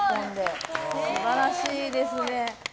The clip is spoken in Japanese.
素晴らしいですね。